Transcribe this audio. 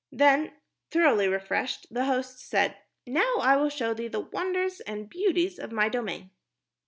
Then, thoroughly refreshed, the host said, "Now I will show thee the wonders and beauties of my domain."